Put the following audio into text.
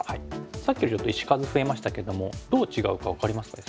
さっきよりちょっと石数増えましたけどもどう違うか分かりますか？